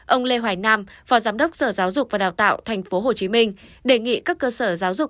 ông lê hoài nam phó giám đốc sở giáo dục và đào tạo tp hcm đề nghị các cơ sở giáo dục